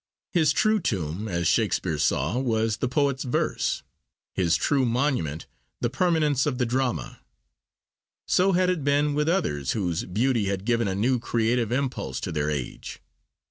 His true tomb, as Shakespeare saw, was the poet's verse, his true monument the permanence of the drama. So had it been with others whose beauty had given a new creative impulse to their age.